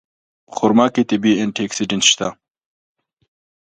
په خرما کې طبیعي انټي اکسېډنټ شته.